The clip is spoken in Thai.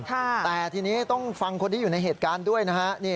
แต่ทีนี้ต้องฟังคนที่อยู่ในเหตุการณ์ด้วยนะฮะ